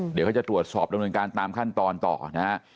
เดี๋ยวเขาจะตรวจสอบดำเนินการตามขั้นตอนต่อนะฮะ